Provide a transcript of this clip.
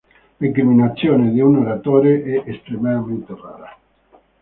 L'incriminazione di un Oratore è estremamente rara.